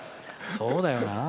そうだよな。